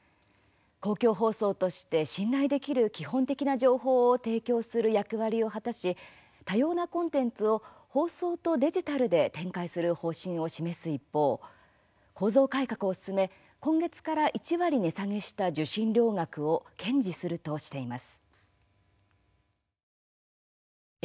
公共放送として信頼できる基本的な情報を提供する役割を果たし多様なコンテンツを放送とデジタルで展開する方針を示す一方構造改革を進め、今月から１割値下げした受信料額を堅持するとしています。